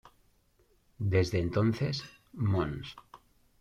Desde entonces, Mons.